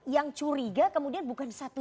yang curiga kemudian bukan satu